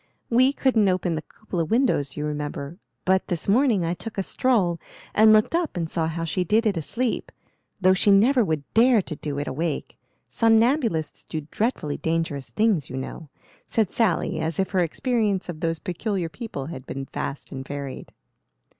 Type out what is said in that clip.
We couldn't open the cupola windows, you remember, but this morning I took a stroll and looked up and saw how she did it asleep, though she never would dare to do it awake. Somnambulists do dreadfully dangerous things, you know," said Sally, as if her experience of those peculiar people had been vast and varied.